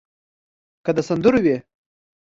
که د سندرو وي.